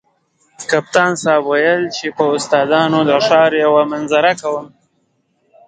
کپتان صاحب ویل چې پر استادانو د ښار یوه منظره کوم.